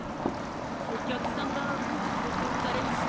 おきゃくさんがわすれていかれました。